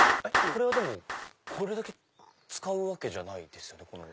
これはでもこれだけ使うわけじゃないですよね？